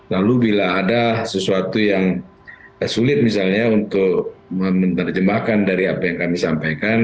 lalu bila ada sesuatu yang sulit misalnya untuk menerjemahkan dari apa yang kami sampaikan